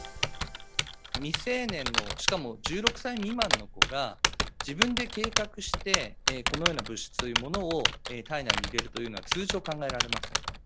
未成年の、しかも１６歳未満の子が、自分で計画して、このような物質というものを体内に入れるというのは通常考えられません。